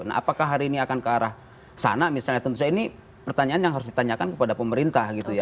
nah apakah hari ini akan ke arah sana misalnya tentu saja ini pertanyaan yang harus ditanyakan kepada pemerintah gitu ya